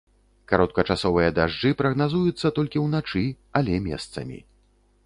Кароткачасовыя дажджы прагназуюцца толькі ўначы, але месцамі.